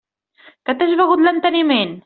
Que t'has begut l'enteniment?